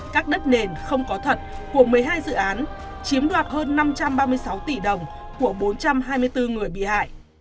các đất nền không có thật của một mươi hai dự án chiếm đoạt hơn năm trăm ba mươi sáu tỷ đồng của bốn trăm hai mươi bốn người bị hại